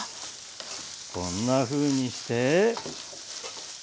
こんなふうにして。